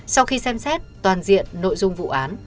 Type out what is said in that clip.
sau khi xem xét toàn diện nội dung vụ án